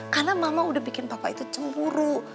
karena mama udah bikin papa itu cemburu